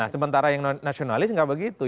nah sementara yang nasionalis enggak begitu